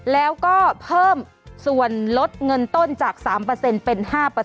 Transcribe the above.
แล้วก็เพิ่มส่วนลดเงินต้นจาก๓เป็น๕